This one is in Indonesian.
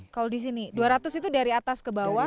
kalau di sini dua ratus itu dari atas ke bawah